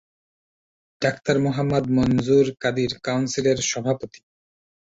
Doctor Mohammad Manzur Kadir কাউন্সিলের সভাপতি।